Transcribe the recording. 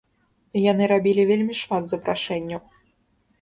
Яны рабілі вельмі шмат запрашэнняў.